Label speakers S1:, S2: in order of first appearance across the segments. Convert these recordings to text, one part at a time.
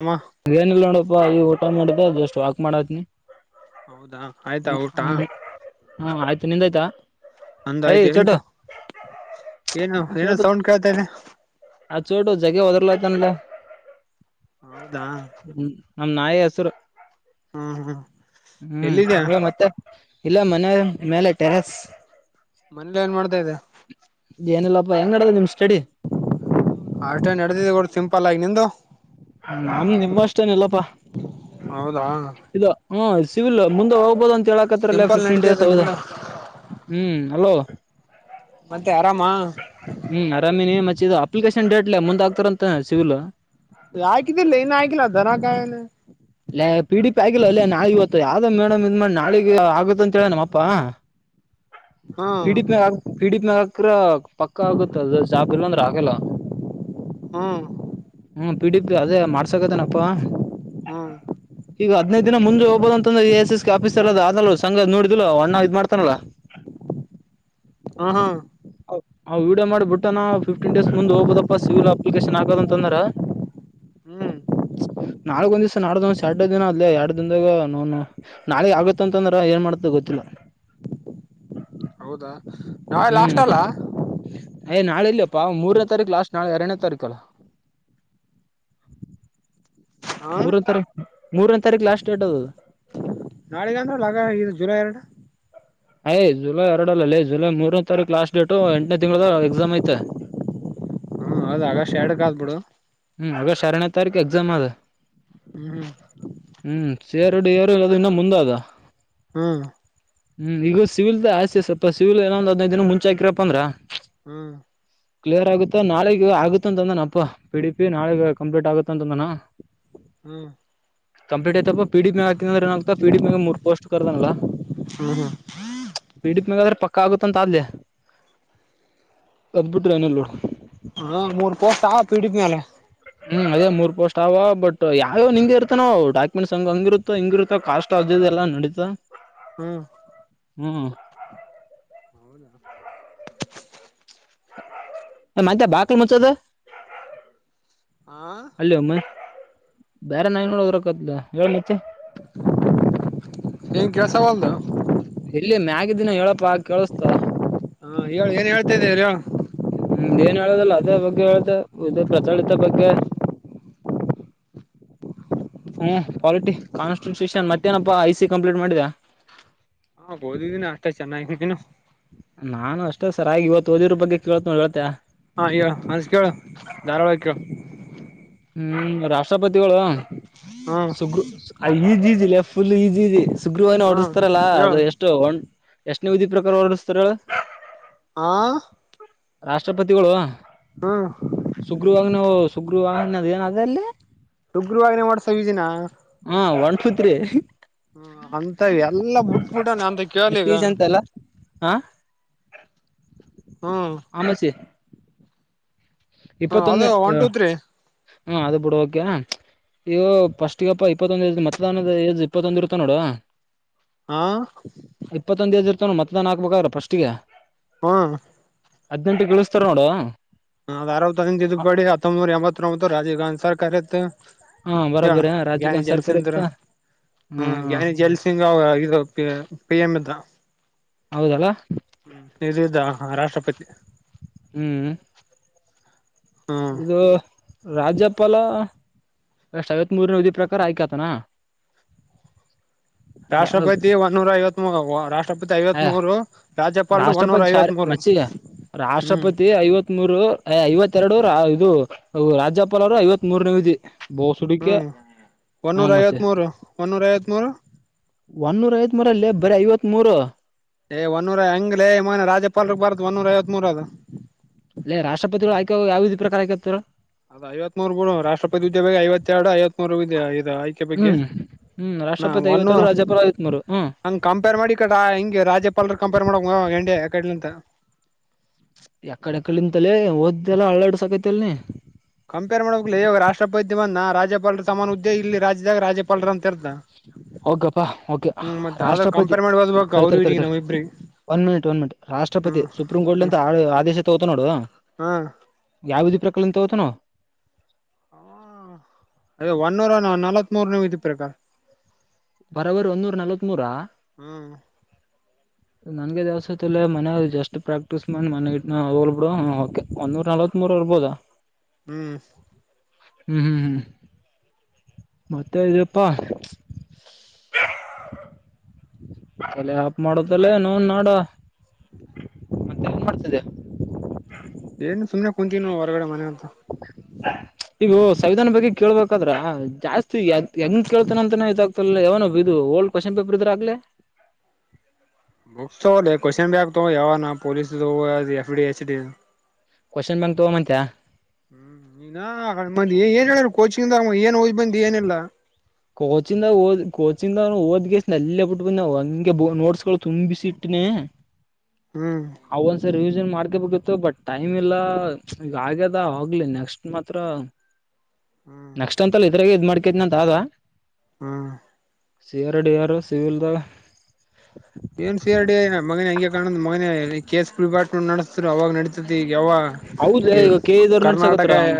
S1: ಅಮ್ಮ
S2: ಏನಿಲ್ಲ ನೋಡಪ್ಪಾ ಈಗ ಊಟ ಮಾಡಿದ್ದ ಅಷ್ಟಟ್ ವಾಕ್ ಮಾಡತ್ನಿ
S1: ಹೌದಾ ಆಯ್ತಾ ಊಟ
S2: ಹ್ಮ ಹಾ ಆಯ್ತು ನಿಂದಾಯಯ್ತಾ
S1: ಅಂದ ಆಯ್ತು ಈಗ
S2: ಹ ಚೋಟ ಆ ಚೋಟ ಜಗ ದರ್ಲತನಲ್ಲ
S1: ಹೌದಾ
S2: ನಮ ನಾಯಿ ಹೆಸುರು
S1: ಹ್ಮ್ ಹ್ಮ್ ಎಲ್ಲಿದ್ಯಾ
S2: ಹ್ಮ್ ಮತ್ತೆ ಇಲ್ಲ ಮನೆ ಮೇಲೆ ಟೆರೆಸ್
S1: ಮನೇಲಿ ಏನ್ ಮಾಡ್ತಾ ಇದೆ
S2: ಏನಲ್ಲಪ್ಪಾ ಹೆಂಗ ನಡ್ದದ ನಿಮ್ ಸ್ಟಡಿ
S1: ಅಷ್ಟೇ ನಡೆದಿದೆ ಕಡ ಸಿಂಪಲ್ ಆಗಿ ನಿಂದು
S2: ನಮ ನಿಮ್ ಅಷ್ಟೇನಲ್ಲಪ್ಪಾ
S1: ಹೌದಾ
S2: ಇ ಹ ಸಿವಿಲ್ ಮುಂದೆ ಹೋಗಬೋದು ಅಂತ ಹೇಳಕತ್ರಲ್ಲ
S1: ಸಿಂಪಲ್
S2: ಫಿಫ್ಟೀನ್ ಡೇಸ್
S1: ನಡೀತದೆ
S2: ಹೌದ
S1: ನಿಂದು
S2: ಹ್ಮ್ ಅಲೋ
S1: ಮತ್ತೆ ಆರಾಮ
S2: ಹ್ಮ್ ಅರಾಮಿನ ಮ ಅಪ್ಲಿಕೇಶನ್ ಡೇಟ್ಲೆೇ ಮುಂದ್ ಆಗ್ತಾರಂತ ಸಿವಿಲ್
S1: ಆಯ್ಕತಿ ಲ ಇನು ಆಯಕಲ ಧನ ಕಾಯೋನು
S2: ಇಲ್ಲ ಪಿಡಿ ಪಿ ಆಗಿಲ್ಲ ಅಲ್ಲೇ ನಾಳಗ್ ಇವತ್ತು ಯಾವ್ದ್ ಮೇಡಮ್ ಇದ್ ಮಾಡ್ ನಾಳಿಗೆ ಆಗುತ್ತ ಅಂತೇಳ ನಮ್ಮಪ್ಪಾ
S1: ಹ್ಮ್
S2: ಪೀಡಿತನ ಅ ಪೀಡಿತನ ಅ ಆಕ್ರ ಪಕ್ಕ ಆಗುತ್ತ ಅದ ಜಾಬ ಇಲ್ಲ ಅಂದ್ರೆ ಆಗಲ್ಲ
S1: ಹ್ಮ
S2: ಹ್ಮ ಪಿ ಡಿ ಪಿ ಅದೇ ಮಾಡ್ಸಕತೇನಪ್ಪಾ
S1: ಹ್ಮ್
S2: ಹದಿನೈದು ದಿನ ಮುಂದೆ ಹೋಗಬೋ ಅಂದು ಎಸ್ ಎಸ್ ಆಫೀಸರ್ ಅದ ಅದಲ್ಲ ಸಂಗ ನೋಡಿದ್ ಇಲ್ವೋ ಅಣ್ಣ ಇದ್ ಮಾಡ್ತಾನಲ್ಲ
S1: ಹಾ ಹಾ
S2: ಹಾ್ ವಿಡಿಯೋ ಮಾಡಿಬಿಟ್ಟ ನಾವು ಫ್ಟೀನ್ ಡೇಸ್ ಮುಂದ ಹೋಗಬದಪ್ಪಾ ಸಿವಿಲ್ ಅಪ್ಲಿಕೇಶನ್ ಆಗೋದಂತಂದ್ರ
S1: ಹ್ಮ್
S2: ನಾಲ್ಕ್ ಒಂದ್ ದ್ಸ ನಾಡ್ದಂದ್ ಎರಡ್ ದಿನ ಅ ಆದ್ಲಿ ಎರಡ್ ದದಾಗ ನನು ನಾಳಗ್ ಆಗತ್ತ ಅಂತಂದ್ರೆ ಏನ್ ಮಾಡತ ಗೊತ್ತಿಲ್ಲ
S1: [inaudible] ಹೌದಾ ನಾವೇ
S2: ಹ್ಮ್
S1: ಲಾಸ್ಟ್ ಅಲ್ಲ
S2: ಪ ಮೂರನೇ ತಾರೀಕು ಲಾಸ್ಟ್ ನಾಳ ಎರಡನೇ ತಾರೀಕುಲ್ಲ
S1: ಹ
S2: ಮೂರನ ತಾರೀಕ ಮೂರನೇ ತಾರೀಕು ಲಾಸ್ಟ್ ಡೇಟ್ ಅದು
S1: ನಾಳಿದ್ದಂದ್ರ ಲಗ ಇದು ಜುಲೈ ಎರಡು
S2: ಅಯ್ ಜುಲೈ ಎರಡಲ್ಲಲ್ಲಿ ಜುಲೈ ಮೂರನೇ ತಾರೀಕು ಲಾಸ್ಟ್ ಡೇಟು ಎಂಟನೇ ತಿಂಗಳ ಎಕ್ಸಾಮ್ ಐತೆ
S1: ಹ್ಮ ಹೌದ ಆಗಷ್ಟ ಎಡಕ್ ಆದಾದ್ಬಿಡು
S2: ಹ್ಮ್ ಆಗಸ್ಟ್ ಎರಡನೇ ತಾರೀಕು ಎಕ್ಸಾಮ್ ಆದ
S1: ಹ್ಮ್
S2: ಸೇರ್ಡಿ ಈಏರು ಇಲ್ಲದು ಇನ್ನ ಮುಂದ ಆದ
S1: ಹ್ಮ್
S2: ಹ್ಮ್ ಈಗ ಸಿವಿಲ್ದ ಆಸತಿ ಸ್ವಲ್ಪ ಸಿವಲ್ಏನ ಒಂದ್ ಹದನೈದು ದಿನ ಮುಂಚೆ ಹಕಿರಪ್ಪ ಅಂದ್ರ
S1: ಹ್ಮ್
S2: ಕ್ಲಿಯರ್ ಆಗುತ್ತಾ ನಾಳಗ್ ಆಗುತ್ತ ಅಂತ ಅಂದನ ಅಪ್ಪ ಪಿ ಡಿ ಪಿ ನಾಳಗ ಕಂಪ್ಲೀಟ್ ಆಗುತ್ತ ಅಂತ ಅಂದನ
S1: ಹ್ಮ್
S2: ಕಂಪ್ಲೀಟ್ ಯ್ತಪ್ಪ ಪಿ ಡಿ ಮ ಹಾಕಿದಂದ್ರ ಏನ ಆತಾ ಪಿಡಿ ಮಾಗ ಮೂರ್ ಪೋಸ್ಟ್ ಕರ್ದಲ್ಲಾ
S1: ಹ್ಮ್ ಹ್ಮ್
S2: ಬಿಡಿಪ್ ನಗಾದ್ರೆ ಪಕ್ಕ ಆಗುತ್ತೆ ತ ಅ ಆದಲೆ ಅದಬಿಟ್ರ ಏನ ನೋಡ್
S1: ಹಾ ಮೂರು ಮೂರ್ ಕೋಟ್ ಪೀಡಿದ ಮೇಲೆ
S2: ಹ್ಮ್ ಅದೇ ಮೂರ್ ಪೋಸ್ಟ್ ಅವ ಬಟ್ ಯಾವ ನಿಂಗಗೆ ಇರ್ತಾನೋ ಡಾಕ್ಯುಮೆಂಟ್ ಹಂಗ ಹಂಗಿರುತ್ತೋ ಹಂಗಿರುತ್ತೋ ಕಸ್ಟ್ ಆ ದೆಲ್ಲ ನಡೀತಾ
S1: ಹ್ಮ್
S2: ಹ್ಮ್ ಮಂತ ಬಾಲ ಮುಚ್ಚದ
S1: ಆಾ
S2: ಅಲ್ಲಿ ಒಮ್ಮೆ ಬೇರೆ ನಾಯ ನೋಡದ್ರಕತ್ ಹೇಳ ನಿಚ
S1: ಏನ್ ಕೆಲ್ಸವಲ್ದು
S2: ಇಲ್ಲಿ ಮ್ಯಾಗಿದ್ದಿನ ಹೇಳಪ್ಪಾ ಕೇಳಸ್ತ
S1: ಹಾ ಹೇಳ ಏನ್ ಹೇಳ್ತಾ ಇದೀರಿ
S2: ಹ್ಮ್ ಏನ್ ಹೇಳೋುದಲ್ಲ ಅದೇ ಬಗ್ಗೆ ಹೇಳುದ ಇದೇ ಪ್ರಚಲಿತ ಬಗ್ಗೆ ಹ್ಮ ಪಾಲಿಟಿ ಕಾನ್ಸ್ಟಟೂಷನ್ ಮತ್ತೇನಪ್ಪಾ ಐ ಸಿ ಕಂಪ್ಲೀಟ್ ಮಾಡಿದೆ
S1: ಹಾ ಓದಿದ್ದೀನಿ ಅಷ್ಟೇ ಚೆನ್ನಾಗನಿನನು
S2: ನಾನು ಅಷ್ಟೇ ಸರ್ ಹಾಗೆ ಇವತ್ತು ಓದಿರ ಬಗ್ಗೆ ಕೇಳ್ತ ನೋಡಿ ಹೇಳ್ತೇ
S1: ಹಾ ಹೇಳು ಅಜ ಕೇಳು ಧಾರವಾಳಗೆ ಕೇಳು
S2: ಹ್ಮ್ ರಾಷ್ಟ್ರಪತಿಗಳು
S1: ಹಾ
S2: ಸುಗ ಈಿಲ್ಲ ಫುಲ್ ಈಜಿ ಸುಗ್ರೀವ
S1: ಹಾ
S2: ಹೊಓಡಸ್ತಾರಲ್ಲಾ
S1: ಹೇಳ
S2: ಅದು ಎಷ್ಟು ಒ ಎಷ್ಟನ ವಿಧಿ ಪ್ರಕಾರ ವರ್ದಿಸ್ತಾರ
S1: ಆ
S2: ರಾಷ್ಟ್ರಪತಿಗಳು ಸುಗ್ರೀವವಾಗಿನಾವು ಸುಗ್ರೀವ ದ ಅದಲ್ಲ
S1: ಉಗ್ರವನೇ ಮಾಡ್ಸವಿ ದಿನ
S2: ಹ ಒನ್ ಟೂ ತ್ರೀ
S1: ಹ ಅಂತ ಎಲ್ಲಾ ಮುಟ್ಬಿಟ್ಟ ನ
S2: ಎಷ್ಟು ಈಜ ಅಂತಲ್ಲ ಹಾ
S1: ಹ್ಮ್
S2: ಆಮಚಿ
S1: ಹ ಅದೇ
S2: ಇಪ್ಪತ್ತೊಂದೇ
S1: ಒನ್ ಟೂ ತ್ರೀ
S2: ಹಾ ಅದು ಬಿಡಕೆ ಇಯ್ಯೋ ಫಸ್ಟ್ಗಪ್ಪ ಇಪ್ಪತ್ತೊಂದ ಮತದಾನದ ಏಜ್ ಇಪ್ಪತ್ತೊಂದ್ ಇರ್ತ ನೋಡ
S1: ಹಾ
S2: ಮತದಾನ ಹಾಕ್ಬೇಕಾದ್ರ ಪ್ರಸ್ಟ್ಗೆ
S1: ಹ್ಮ್
S2: ಹದ್ನೆಂಟುಳ ಸರ್ ನೋಡುುವ
S1: ಇದ್ ಬಡಿ ಹೊಂಬನೂರ ಎಂಬತ್ತೊಂಬತ್ತು ರಾಜೀ್ ಗಾಂಧ ಸರ್ಕಾರ ಇತ್ತು
S2: ಹ
S1: ಹೇಳ
S2: ಬರೋಬರಿ ರಾಜೀವ್
S1: ಗ್ನಿ
S2: ಗಾಂಧಿ ಸರ್ಕಾರ ಇತ್ತ
S1: ಜಲ್ಸಂದರು
S2: ಹ್ಮ್
S1: ಹ್ಮ ಜಲ್ಸಂಗ ಅವ ಇದು ಪಿ ಎಂ ಇದ್ದ
S2: ಹೌದಲ್ಲ
S1: ಹ್ಮ್ ಇದ ರಾಷ್ಟ್ರಪತಿ
S2: ಹ್ಮ್
S1: ಹ್ಮ್
S2: ಇದು ರಾಜ್ಯಪಾಲ ಅ್ ಸಐವತ್ತ್ ಮೂರನ ವಿಧಿ ಪ್ರಕಾರ ಆಯ್ಕತನಾ
S1: ಹ ರಾಷ್ಟ್ರಪತಿ ಒನ್ನೂರ ಐವತ್ ಮೂರು ರಾಷ್ಟ್ರಪತಿ ಐವತ್ತ್ ಮೂೂರು ರಾಜ್ಯಪಾಲರು ಒನ್ನೂರ
S2: ರಾಷ್ಟ್ರಪತಿ ಸಾರಿ
S1: ಐವತ್ ಮೂರು
S2: ಮಚ್ಚಿ ರಾಷ್ಟ್ರಪತಿ ಐವತ್ ಮೂರು ಐವತ್ತ ಎರಡು ರ ಇದು ಹ ರಾಜ್ಯಪಾಲ ಅವರು ಐವತ್ ಮೂರನೇ ವಿಧಿ ಬೋಸ್ ಹುಡುಕೆ
S1: ಹ್ಮ್
S2: ಹ
S1: ಒನ್ನೂರ ಐವತ್
S2: ಮತ್ತೆ
S1: ಮೂೂರು ಒನ್ನೂರ ಐವತ್ ಮೂೂರು
S2: ಒಂದೂರ್ ಐತ್ ಮರ ಅಲ್ಲಿ ಬರ ಐವತ್ ಮೂೂರು
S1: ಏ ಒನರ ಹೆಂಗ್ಲೇ ಮೊ ರಾಜ್ಯಪಾಲರ ಬಾರತ ಒಂದನ್ನೂರ ಐವತ್ ಮೂೂರ ಅದ
S2: ಅಲ್ಲ ರಾಷ್ಟ್ರಪತಿಗಳು ಆಯ್ಕಾಗ ಯಾವೀ ಪ್ರಕಾರ ಆಯ್ಕತ
S1: ಅದ ಐವತ್ ಮೂರು ಗರು ರಾಷ್ಟ್ರಪತಿ ಹುದ್ಯೆ ಬಗ್ಗೆ ಐವತ್ತ ಎರಡು ಐವತ್ತ್ ಮೂರು ಇದೆ ಇ ಆಯ್ಕೆ ಬಗ್ಗೆ
S2: ಹ್ಮ್ ಹ್ಮ್
S1: ನಾ
S2: ರಾಷ್ಟ್ರಪತಿ
S1: ಒನ್ನು
S2: ಐವರು ರಾಜ್ಯಪಾಲ ಐವತ್ನರು
S1: ಹಂಗ್ ಕಂಪೇರ್ ಮಾಡಿ ಕಡ ಹಿಂಗೆ ರಾಜ್ಯಪಾಲರ್ ಕಂಪೇರ್ ಮಾಡ ಎಂಡ ಕಡ್ಲಿಂತ
S2: ಎಕಡೆ ಎಕಡಂತಲೆೇ ಓದ್ದಲ್ಲಾ ಅಳ್ಳಾಡ್ ಸಾಕೈತಿಲ್ನ
S1: ಕಂಪೇರ್ ಮಾಡ್ಬೇಕಕ್ ಇವಾಗ ರಾಷ್ಟ್ರಪತಿ ಬಂದ ರಾಜ್ಯಪಾಲರ ತಮ್ಮಾನ ಹದ್ದೆ ಇಲ್ಲಿ ರಾಜ್ಯದಾಗ ರಾಜ್ಯಪಾಲರ ಅಂತ ಇರ್ತ
S2: ಹೋಗಪ್ಪಾ ಓಕೆ ರಾಷ್ಟ್ರಪತಿ
S1: ಕಂಪೇರ್ ಮಾಡಿ ಓದ್ಬೇಕು ಅವ್ರ
S2: ತರ್ತಾರೆ
S1: ಇವ್ರಿಗೆ
S2: ತರತಾರೆ
S1: ನಾವ್ ಇಬ್ರಿಗೆ
S2: ಒನ್ ಮಿನಿಟ್ ಒನ್ ಮಿನಿಟ್ ರಾಷ್ಟ್ರಪತಿ
S1: ಹ್ಮ್
S2: ಸುಪ್ರೀಂಕೂರ್ಟ್
S1: ಹ್ಮ್
S2: ಅಂತ ಆದೇಶತೆ ಅತನಡ
S1: ಹಾ
S2: ಯಾವ ಬುದು ಪ್ರಕರಣಂತ ತತ ನ
S1: ಅ ಒನ್ನೂರ ನಲವತ್ ಮೂರುನ ವಿಧಿ ಪ್ರಕಾರ
S2: ಬರಬರು ಒನ್ನೂರ ನಲ್ವತ್ ಮೂರಾ
S1: ಹ್ಮ್
S2: ನನ್ಗೆ ದವಸತ್ ಇಲ್ಲ ಮನ ಜಸ್ಟ್ ಪ್ರಾಕ್ಟೀಸ್ ಮಾಡಿ ಮನೆಟ್ನ ಹೋಗ್ಬ ಬಿಡುೆ ಒಂದೂರ್ ನಲ್ವ ಇತ್ಮರವರ್ಬೋದಾ
S1: ಹ್ಮ್
S2: ಹ್ಮ್ ಹ್ಮ್ ಹ್ಮ್ ಮತ್ತೆ ಇದ್ಯಪ್ಪಾ ಅಲೆ ಆಪ್ ಮಾಡುದಲ್ಲ ನಾನ್ ನಾಡ ಮತ್ತೆ ಏನ್ ಮಾಡ್ತಿದೆ
S1: ಏನ್ ಸುಮನೆ ಕುಂತೀನ ಹೊರಗಡೆ ಮನೆ ಅಂತ
S2: ಈಗ ಸಂವಿಧಾನ ಬಗ್ಗೆ ಕೇಳ್ಬೇಕಾದ್ರ ಜಾಸ್ತಿ ಯ ಹೆಂಗ ಕೇಳ್ತಾನಂತನ ಇದಾಗ ಲ್ಲ ಯಾವನ ಇದು ಓಲ್ಡ್ ಕ್ವಶನ್ ಪೇಪರ್ ಇದ್ರ ಆಗ್ಲ
S1: ಬುಕ್ಸ್ ಕ್ವನ್ ಬ್ಯಾಗ್ ತ ಯಾವ ಪೊಸ್ ಎಫ ಡಿ ಎಚ್ಡಿ
S2: ಕೊಶನ್ [unintelligible] ತಗೋಬಂತಿಯ
S1: ಹ್ಮ್ ನೀ ಏನ್ ಹೇಳರು ಕೋಚಿಂಗಂದ ಏನ್ ಓದ್ ಬಂದ ಏನಲ್ಲಾ
S2: ಕೋಚಿಂದ ಓದ್ ಕೋಚಿಂದ ಓದ್ಗೆ ಎಲ್ಲ ಬಿಟ್ಟು ಬಂದವು ಹಂಗೆ ನೋಟ್ಸ್ ಗಳು ತುಂಬಿಸಿ ಇಟ್ಟ [unintelligible]
S1: ಹ್ಮ್
S2: ಹ ಒಂದ್ಸರಿ ಮಾಡ್ಕಬೇಕಿತ್ತು ಬಟ್ ಟೈಮ್ ಇಲ್ಲ ಈಗ ಆಗ್ಯದ ಹೋಗ್ಲಿ ನೆಕ್ಸ್ಟ್ ಮಾತ್ರ
S1: ಹ್ಮ್
S2: ನೆಕ್ಸ್ಟ್ ಅಂತಲ್ಲ ಇದ್ರಾಗ ಇದ್ ಮಾಡ್ಕಿದ್ನ ಅಂತ ಆಗ
S1: ಹ್ಮ್
S2: ಸಿಆರೋ ಡಿಯಾರು ಸಿವಿಲ್ದ
S1: ಎಂ ಸಿ ಆರ್ ಡಿ ಮಗನ ಹಂಗೆ ಕಾಣಂದ್ ಮಗನ ಕಸ್ ನಡೆಸ್ತರು ಅವಾಗ ನಡಿತತಿ ಯಾವ
S2: ಹೌದ
S1: ಇ
S2: ಈಗ ಕೆ ಇದವ್ರು
S1: ಕರ್ನಾಟಕ
S2: ನಡ್ಸಕತ್ತಾರ ಅವನು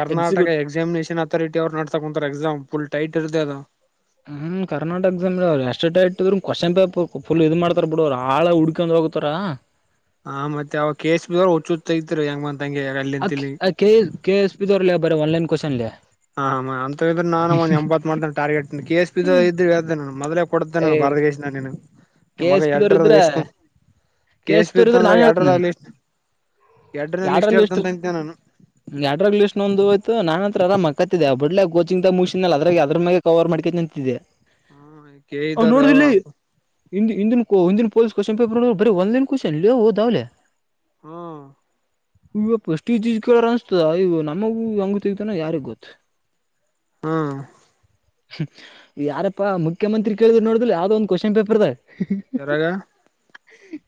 S1: ಕರ್ನಾಟಕ
S2: ಎಕ್ಸಿಕ್ಯೂಟ್
S1: ಎಕ್ಸಾಮಿನೇಷನ್ ಅಥಾರಿಟಿ ಅವ್ರು ನಡತ ಕುಂತಾರೆ ಎಕ್ಸಾಮ್ ಫುಲ್ ಟೈಟ್ ಇರ್ದೆ ಅದು
S2: ಹ್ಮ್ ಕರ್ಟಕಕ್ ದಿಂದ ಅವ್ ಎಷ್ಟ ಕೋಶನ್ ಪೇಪರ್ ಫುಲ್ ಇದು ಮಾಡ್ತಾರ ಬಿಡು ಅವ್ ಹಾಳ ಹಡ್ಕ ಹೋಗತಾರಾ
S1: ಹಾ ಮತ್ತೆ ಅವಾಗ ಕೇಶಸ್ ಬ್ರು ಹುಚ್ಚುತ ಇತಿರಿ ಹೆಂಗಂತ
S2: ಆ ಕೆ ಎ ಕೆ ಎಸ್ ಪಿದವ್ರಲ್ಲ ಬರ ಆನ್ಲೈನ್ ಕೋಶನ್ ಲೇ
S1: ಹ ಅಂತ ಇದ್ರೆ ನಾನು ಒಂದ ಎಂಬತ್ತು ಮಾಡ್ದೇ ಟಾರ್ಗೆಟ್ ಕೆ ಎಸ್ ಪಿದ ಇದ್ರ್ದ ನ ಮದ್ಲೆ ಕೊಡ್ತೇನೆ
S2: ಏ
S1: ಬರದ ಕಸ ನೀನು
S2: ಕೆ
S1: ಮಗ
S2: ಎಸ್ ಪಿ ದವ್ರ
S1: ಎರಡ್ರ
S2: ಇದ್ರ
S1: ಇಷ್ಟ ಕು ಕಸ್ ಬಿ ಇತ್ತ ಅಂದ್ರ ಎರಡ್ರಾಗಲಿ ಇಷ್ಟ
S2: ಎಡ್ರರಾಳಿ ಲಿಸ್ಟ್ ಎಡರಾಲಿ ಲಿಸ್ಟ್ ನೊಂದು ಹೋಯ್ತು ನಾನನ್ ಹತ್ರ ಅರ ಮಕ್ಕ ಬಡ್ಲೆ ಕೋಚಿಂಗ್ ಮುಗಸಿನ ಅದಾಗ ಅದ್ರ ಮೇ ಕವರ್ ಮಾಡ್ಕೊಂಡ ನಿಂತಿದ್ದಿದೆ
S1: ಹ್ಮ [unintelligible]
S2: ಇ ಇ ಹಿಂದಿನ ಪೊಲೀ ಕೋಶನ್ ಪೇಪರ್ ಬರರಿ ಒನ್ಲೈನ್ ಕೊಶನ್ ಓದಾವೆ
S1: ಹ್ಮ
S2: ಇ ಫಸ್ಟ್ ಜೀಸ್ ಕೇಳ ಅನ್ಸ್ತದ ಇ ನಮಗೂ ಅಂಗೊತ್ತಾನ ಯಾರಿಗ್ ಗೊತ್ತ
S1: ಹ್ಮ್
S2: ಯಾರಪ್ಪಾ ಮುಖ್ಯಮಂತ್ರಿ ಕೇಳಿದ್ ನೋಡ್ದ್ ಯಾವ್ದೋ ಒಂದು ಕ್ವಶನ್ ಪೇಪರ್ದ
S1: ಎರಾಗ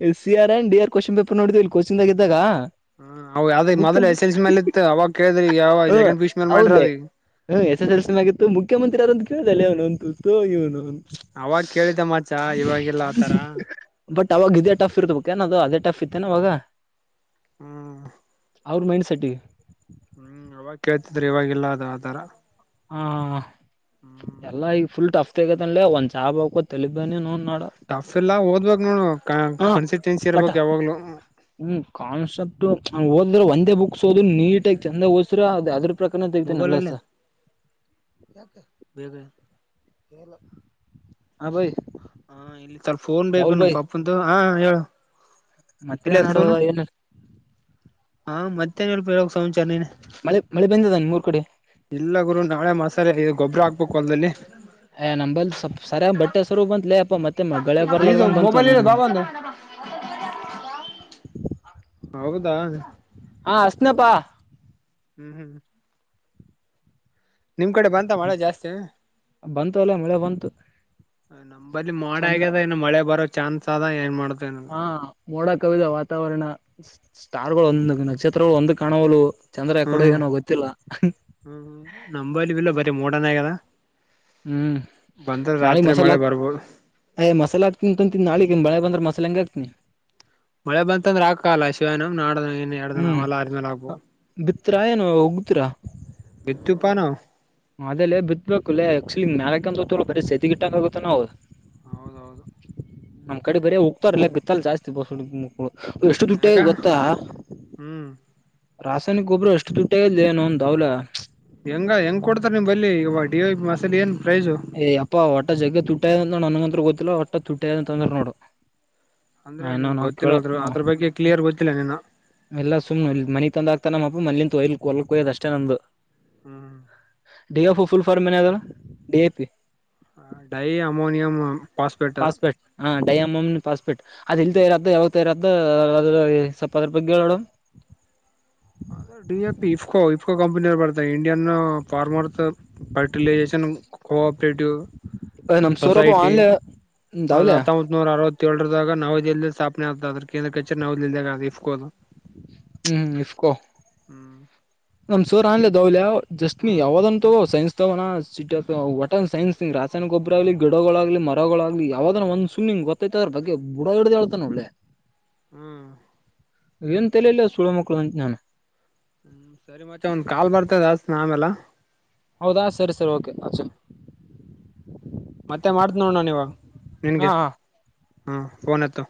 S2: S C R and D R question paper ನೋಡಿದ್ವಿ ಇಲ್ಲಿ ಕೋಸ್ನ್ದಾಗ ಇದ್ದಾಗ
S1: ಹ ಅವವು ಅವದ
S2: ಮುಖ್ಯ
S1: ಮೊದಲ ಎಸ್ ಎಲ್ ಸಿ ಮಲ್ಲಿ ಇತ್ ಅವಾಗ ಕೇಳಿದ್ರಿ ಯಾವಾಗ
S2: ಹ
S1: ಸೆಕೆಂಡ್ ಪೊಸಿಷನ್ಲ್ ಮಾಡ್ರಿ
S2: ಹೌದ್ಲೆ
S1: ಅದಿ
S2: ಹ್ಮ ಎಸ್ ಎಸ್ ಎಲ್ ಸಿ ಗಿತ್ತು ಮುಖ್ಯಂತ್ರಿರೊಂದು ಕೇಳಿದಲ್ಲ ಇವನು ತ ಇವ್ನು
S1: ಅವಾಗ ಕೇಳಿದ್ದ ಮತ್ತೆ ಇವವಾಗಿಲ್ಲ ಆತರ
S2: ಬಟ್ ಅವಾಗ ಇದೇ ಟಫ್ ಇರ್ತ ಬ ಏ ನ ಅದು ಅದೇ ಟಫ್ ಇತ್ತೇ ಅವಾಗ
S1: ಹ್ಮ್
S2: ಅವ್ರ ಮೈಂಡ್ಸೆಟ್ಟಿಗೆ
S1: ಹ್ಮ್ ಅವಾಗ ಕೇಳ್ತಿದ್ರಿ ಇವಾಗಿಲ್ಲ ಅದು ಆ ತರ
S2: ಹ ಎಲ್ಲಾ ಈಗ ಫುಲ್ ಟಫ್ ತಗತನ್ಲೆ ಒಂದ್ ಜಾಬ್ ಬೆಕೋ ತಲಿ ಬೆನಿ ನೌನ್
S1: ಟಫ್ ಇಲ್ಲ ಓದ್ಬೇಕ್ ನೋಡು ಕಾ
S2: ಹ
S1: ಕಾನ್ಸಿಟನ್ಸಿ
S2: ಬಟ್
S1: ಇರ್ಬೇಕ್ ಯಾವಾಗ್ಲು.
S2: ಹ್ಮ್ ಕಾನ್ಸೆಪ್ಟು ಓದ್ ಅಂದ್ರೆ ಒಂದೇ ಬುಕ್ಸ್ ಓದಿ ನೀಟ್ ಆಗ್ ಚಂದ ಓದ್ ಸಿರ ಅದ್ ಅದ್ರ ಪ್ರಕಾರನೆ ತೆಗಿತಿನ್ ನಲ್ಲೈಸ.
S1: ಏನ್ ಬೆ ಏನಿಲ್ಲ.
S2: ಹಾ ಭೈ
S1: ಹ ಇಲ್ಲಿ ಸಲ್ಪ್ ಫೋನ್ ಬೇಕು ನಮ್ಮ ಪಪಂತವ್ ಹ ಹೇಳು. ಇಲ್ಲ
S2: ಮತ್ತೆನ್ ನಡ್ದಾವ್ ಏನು
S1: ಹಾಂ ಮತ್ತೇನ್ ಇಲ್ ಹೇಳ್ಬೇಕ್ ಸಂಚಾರ್ ನೀನೆ.
S2: ಮಳೆ ಮಳೆ ಬಂದದ ನಿಮ್ಮೂರ್ ಕಡೆ.
S1: ಇಲ್ಲ ಗುರು ನಾಳೆ ಮಸಾಲೆ ಇ ಗೊಬ್ಬರ ಹಾಕ್ಬೇಕು ಹೊಲ್ದಲ್ಲಿ.
S2: ಏ ನಂಬಲ್ ಸ್ಪ್ ಸರಿಯ್ ಬಟ್ಟೆ ಸರು ಬಂತ್ಲೇ ಅಪ್ಪ ಮತ್ತೆ ಮಗಳೆ
S1: ಇದು
S2: ಬರ್ಲಾರದಂಗ ಬಂತ
S1: ಮೊಬೈಲ್ ಇಲ್ಲ
S2: ಅವ್ನ್
S1: ಬಾ
S2: ನೌನ.
S1: ಬಂದು ಹೌದಾ
S2: ಹಾ ಹಸ್ನಪ್ಪಾ
S1: ಹ್ಮ್ ಹ್ಮ್ ನಿಮ್ ಕಡೆ ಬಂತ ಮಳೆ ಜಾಸ್ತಿ
S2: ಬಂತು ಅಲ ಮಳೆ ಬಂತು.
S1: ನಂಬಲ್ಲಿ ಮೋಡ
S2: ಸುಮ್ನ
S1: ಆಗ್ಯದ ಇನ್ನು ಮಳೆ ಬರೋ ಚಾನ್ಸ್ ಆದ ಏನ್ ಮಾಡ
S2: ಹಾ ಮೋಡ ಕವಿದ ವಾತಾವರಣ ಸ್ಟಾರ್ಗಳು
S1: ಹ್ಮ್
S2: ಒಂದ್ ನಕ್ಷತ್ರಗಳ್ ಒಂದು ಕಾಣೋವಲು ಚಂದ್ರ ಯಾಕಡು
S1: ಹ್ಮ್
S2: ಏನೋ ಗೊತ್ತಿಲ್ಲ.
S1: ಕಾಣೆಯಾಗ್ಯದ
S2: ಹ್ಮ್ ನಾಳೆ ಮಸಾಲ
S1: ಮಳೆ ಬರ್ಬೋದು
S2: ಅಯ್ ಮಸಾಲೆ ಹಾಕ್ತೀನ್ ಅಂತಂತಿ ನಾಳೆಗ್ ಏನ್ ಮಳೆ ಬಂದ್ರೆ ಮಸಾಲಾ ಹೆಂಗ್ ಹಕ್ತೀನಿ.
S1: ಮಳೆ ಬಂತಂದ್ರ ಆಕಕಾಲ್ಲ ಶಿವನು ನಾಡದ್
S2: ಹ್ಮ್ ಬಿತ್ರಾ ಏನು ಉಗುದ್ರ
S1: ಬಿತ್ತುಪಾ ನಾವು
S2: ಅದೇಲೆ ಬಿತ್ ಬೇಕುಲ್ಲೆ ಆಕ್ಚುಲಿ ಮ್ಯಾಲಕಂತ ತೂರ್ ಬರಿ ಸದಿಟ್ಟಕ ಆಗುತ್ತ ನಾವು.
S1: ಹೌದೌದು
S2: ನಮ್ಮ್ ಕಡೆ ಬರೇ ಉತ್ತ್ ತಾರ್ಲೆ ಬಿತ್ತಲ್ ಜಾಸ್ತಿ [unintelligible] ಎಷ್ಟು ದುಟ್ಟಿ
S1: ಯಾಕ
S2: ಆಗಿದ್ ಗೊತ್ತಾ
S1: ಹ್ಮ್
S2: ರಾಸಾಯನಿಕ ಗೊಬ್ಬರ ಎಷ್ ತುಟ್ಟ ಲೆ ನೌನ್ ದೌಲ
S1: ಹೆಂಗ ಹೆಂಗ್ ಕೊಡ್ತಾರ ನಿಮ್ ಬಲ್ಲಿ ಡಿ ವೈ ಬಿ ಮಸಾಲ ಏನ್ ಪ್ರೈಸು
S2: ಏಯ್ ಯಪ್ಪ ಓಟ್ಟ ಜಗ್ಗೆ ತುಟ್ಟ ಆಗ್ಯದ್ ನೋಡ್ ನನಗಂತ್ರ ಗೊತ್ತಿಲ್ಲ ಓಟ್ಟ ತುಟ್ಟ್ಯಾದ ಅಂತಂದ್ರ ನೋಡು.
S1: ಅಂದ್ರೆ
S2: ನಾ ಇನ್ನ
S1: ನಿಂಗ್
S2: ನಾವ್
S1: ಗೊತ್ತಿಲ್ಲ ಆದ್ರು ಅದ್ರ ಬಗ್ಗೆ ಕ್ಲಿಯರ್ ಗೊತ್ತಿಲ್ಲ ನೀನು.
S2: ಎಲ್ಲಾ ಸುಮ್ನೆ ಇಲ್ ಮನಿಗ್ ತಂದ ಆಗ್ತನ ನಮ್ಮಪ್ಪ ಮನ್ಲಿಂದ್ ಹೊಲಕ್ಕೋಯದ್ ಅಷ್ಟೇ ನಮ್ದು.
S1: ಹ್ಮ್
S2: ಡಿ ಫ್ ಫುಲ್ ಫಾರ್ಮ್ ಏನದ್ ಹೇಳ್ ಡಿ ಐ ಪಿ
S1: ಹ ಡೈ ಅಮೋನಿಯಂಮಮ್
S2: ಪಾಸ್ಪೆಟ್ ಹಾ ಡಯಾಮಮ್ ಪಾಸ್ ಪೀಟ್ ಅದು ಇಲ್ದೇ ಇರದ್ ಯಾವಾಗ ತರದ್ದ್ ಅದ್ರ್ ರ್ ಸ್ವಲ್ಪ ಅದ್ರ್ ಬಗ್ಗೆ ಹೇಳು.
S1: ಅದ D A P IFFCO IFFCO ಕಂಪನಿಯರು ಬರ್ತ ಇಂಡಿಯನ್ ಫಾರ್ಮರ್ಸ್ ಫರ್ಟಿಲೈಜೇಷನ್ ಕೋಆಪ್ರೇಟಿವ್
S2: ನಮ್ ಸೌರಭ
S1: ಸೊಸೈಟಿ
S2: ಆನ್ಲೆ
S1: ಅದು
S2: ದಾವ್ಲೆ
S1: ಹತ್ತೊಂಬತ್ ನೂರ ಅರವತ್ ತ್ತೇಳ್ರ್ದಾಗ ನವದೆಲ್ಲಿಯಲ್ಲಿ ಸ್ಥಾಪನೆ ಆತ್ ಅದ್ರ್ ಕೇಂದ್ರ ಕಚೇರಿ ನವದೆಲ್ಲಿಯಗ್ ಅದ ಇಫ್ಕೋದು.
S2: ಹ್ಮ್ ಇಫ್ಕೊ
S1: ಹ್ಮ್
S2: ನಮ್ ಸೂರ್ಆನಿ ದವ್ಲ್ಯ ಜಸ್ಟ್ ಮಿ
S1: ಹ್ಮ್
S2: ಯಾವದನ್ ತಗೋ ಸೈನ್ಸ್ ತವಣ ಸಿಟಿ ಒಟನ್ ಸೈನ್ಸ್ಂಗ್ ರಾಸಾಯನಿಕ ಗೊಬ್ಬರ ಆಲಿ ಗಿಡಗಳಾಗ್ಲಿ ಮರಗಳಾಗ್ಲಿ ಯಾವ್ದದ ಒಂದ್ ಸುಮ್ನ್ ಹಿಂಗ್ ಗೊತ್ತಾಯ್ತ ಅದ್ರ್ ಬಗ್ಗೆ ಬುಡ ಹಿಡ್ದ್ ಹೇಳ್ತಾನ್ ಒಳ್ಳೆ.
S1: ಹ್ಮ್
S2: ಏನು ತಲೆಲ ಸುಳ ಮಕ್ಕಳು ನಾನು
S1: ಹ್ಮ ಸರಿ ಮಚೆ ಒಂದ್ ಕಾಲ್ ಬರ್ತದಸ್ ನ ಆಮೆಲ್ಲ
S2: ಹೌದಾ ಸರಿ ಸರಿ ಓಕೆ ಅಚ್ಚು
S1: ಮತ್ತೆ ಮಾಡ್ತ್ ನೋಡ ನಾನ ಇವಾಗ
S2: ಹಾ ಹಾ
S1: ಹಾ ಫೋನ್ ಅಚ್ಚ